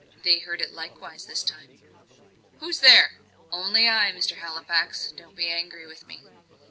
They heard it likewise this time. "Who's there?" "Only I, Mr. Halifax don't be angry with me."